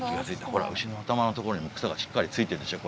ほら牛の頭のところにも草がしっかりついてるでしょ